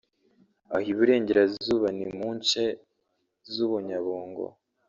Aho i-Burengerazuba ni mu nce z’u-Bunyabungo